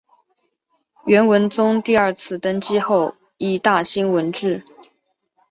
元文宗第二次登基后亦大兴文治。